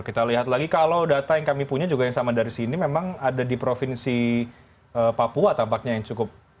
kita lihat lagi kalau data yang kami punya juga yang sama dari sini memang ada di provinsi papua tampaknya yang cukup